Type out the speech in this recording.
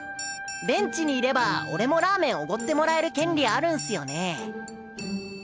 ベンチにいれば俺もラーメンおごってもらえる権利あるんスよね？